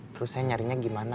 terus saya nyarinya gimana